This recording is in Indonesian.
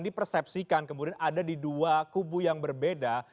dipersepsikan kemudian ada di dua kubu yang berbeda